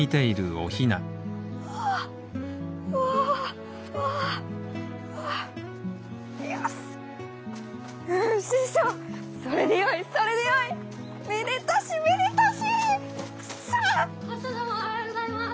和尚様おはようございます！